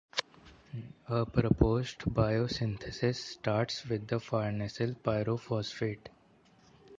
A proposed biosynthesis starts with the farnesyl pyrophosphate.